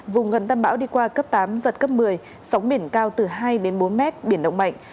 vùng gần tâm bão đi qua cấp tám giật cấp một mươi sóng biển cao từ hai đến bốn mét biển động mạnh